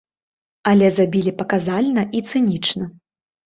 Але забілі паказальна і цынічна.